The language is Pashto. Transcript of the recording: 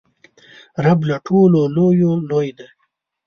رب له ټولو لویو لوی دئ.